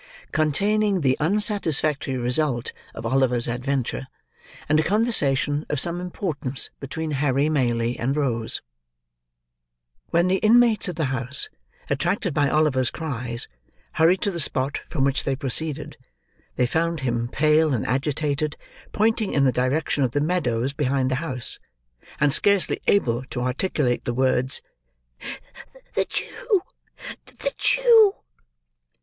CONTAINING THE UNSATISFACTORY RESULT OF OLIVER'S ADVENTURE; AND A CONVERSATION OF SOME IMPORTANCE BETWEEN HARRY MAYLIE AND ROSE When the inmates of the house, attracted by Oliver's cries, hurried to the spot from which they proceeded, they found him, pale and agitated, pointing in the direction of the meadows behind the house, and scarcely able to articulate the words, "The Jew! the Jew!"